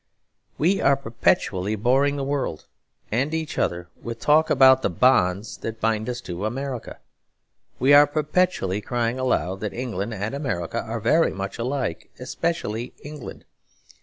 We are perpetually boring the world and each other with talk about the bonds that bind us to America. We are perpetually crying aloud that England and America are very much alike, especially England.